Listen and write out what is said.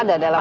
sudah ada ya